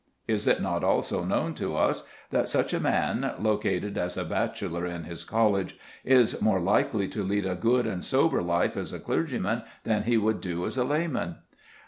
Is it not also known to us that such a man, located as a bachelor in his college, is more likely to lead a good and sober life as a clergyman than he would do as a layman?